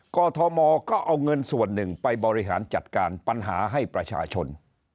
กรทมก็เอาเงินส่วนหนึ่งไปบริหารจัดการปัญหาให้ประชาชน